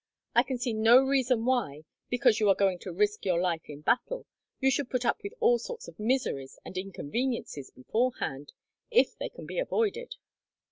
I can see no reason why, because you are going to risk your life in battle, you should put up with all sorts of miseries and inconveniences beforehand, if they can be avoided.